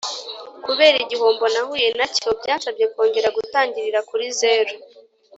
Kubera igihombo nahuye nacyo byansabye kongera gutangirira kuri zero